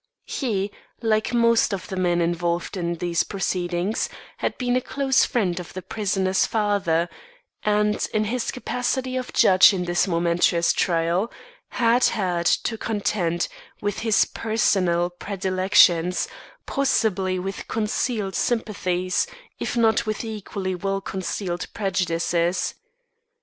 He, like most of the men involved in these proceedings, had been a close friend of the prisoner's father, and, in his capacity of judge in this momentous trial, had had to contend with his personal predilections, possibly with concealed sympathies, if not with equally well concealed prejudices.